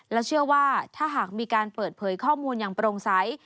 และเชื่อว่าถ้าหากมีการเปิดเผยข้อมูลอย่างโปร่งใส